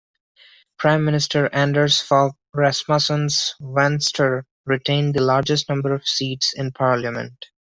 Prime Minister Anders Fogh Rasmussen's Venstre retained the largest number of seats in parliament.